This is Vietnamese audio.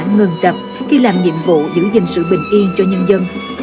ngừng tập khi làm nhiệm vụ giữ gìn sự bình yên cho nhân dân